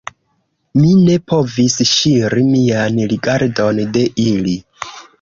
Mi ne povis ŝiri mian rigardon de ili.